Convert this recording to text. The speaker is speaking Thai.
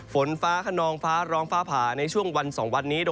ฝนฟ้าขนองฟ้าร้องฟ้าผ่าในช่วงวัน๒วันนี้